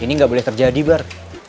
ini nggak boleh terjadi bar